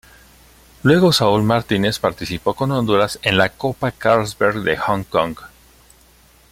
Luego Saul Martínez participó con Honduras en la Copa Carlsberg de Hong Kong.